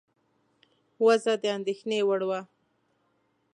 وضع د اندېښنې وړ وه.